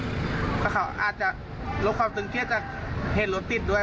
เพราะเขาอาจจะลงความตื่นเทียดจะเห็นรถติดด้วย